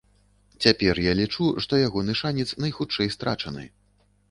Цяпер я лічу, што ягоны шанец найхутчэй страчаны.